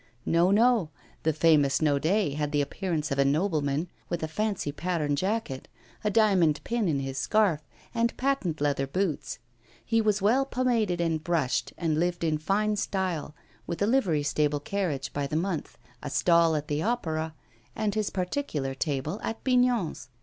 No, no; the famous Naudet had the appearance of a nobleman, with a fancy pattern jacket, a diamond pin in his scarf, and patent leather boots; he was well pomaded and brushed, and lived in fine style, with a livery stable carriage by the month, a stall at the opera, and his particular table at Bignon's.